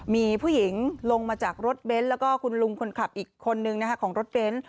มีผู้หญิงลงมาจากรถเบนท์แล้วก็คุณลุงคนขับอีกคนนึงของรถเบนท์